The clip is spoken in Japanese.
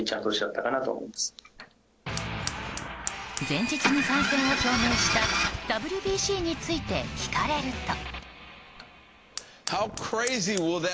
前日に参戦を表明したＷＢＣについて聞かれると。